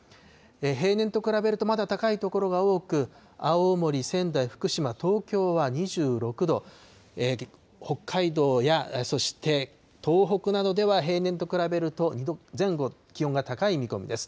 平年と比べると、まだ高い所が多く、青森、仙台、福島、東京は２６度、北海道やそして東北などでは、平年と比べると２度前後気温が高い見込みです。